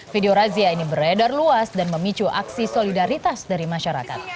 video razia ini beredar luas dan memicu aksi solidaritas dari masyarakat